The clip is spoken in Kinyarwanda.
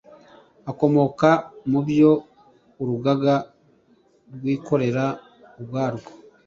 akomoka mu byo Urugaga rwikorera ubwarwo